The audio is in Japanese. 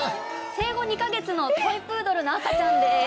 生後２カ月のトイプードルの赤ちゃんです。